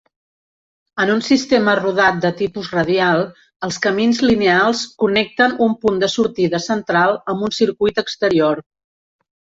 En un sistema rodat de tipus radial, els camins lineals connecten un punt de sortida central amb un circuit exterior.